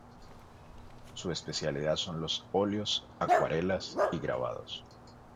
Su especialidad son los óleos, acuarelas y grabados.